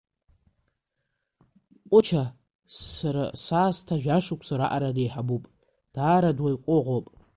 Қәыча сара саасҭа жәа шықәса раҟара деиҳабуп, даара дуаҩы ҟәыӷоуп.